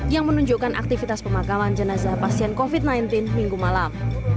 yang menunjukkan aktivitas pemakaman jenazah pasien covid sembilan belas minggu malam